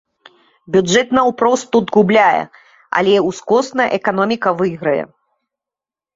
Бюджэт наўпрост тут губляе, але ўскосна эканоміка выйграе.